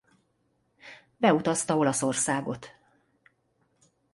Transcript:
Beutazta Olaszországot.